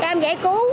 cam giải cứu